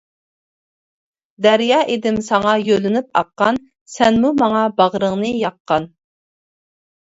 دەريا ئىدىم ساڭا يۆلىنىپ ئاققان، سەنمۇ ماڭا باغرىڭنى ياققان.